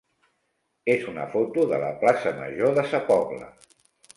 és una foto de la plaça major de Sa Pobla.